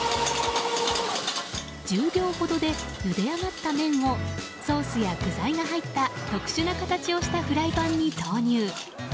１０秒ほどでゆで上がった麺をソースや具材が入った特殊な形をしたフライパンに投入。